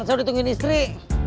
saya udah ditunggu istri